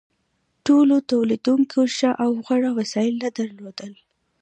ټولو تولیدونکو ښه او غوره وسایل نه درلودل.